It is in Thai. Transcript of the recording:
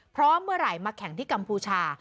เพราะเมื่อไหร่มาแข่งที่กัมพูชา